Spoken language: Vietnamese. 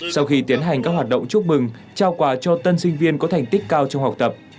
sau khi tiến hành các hoạt động chúc mừng trao quà cho tân sinh viên có thành tích cao trong học tập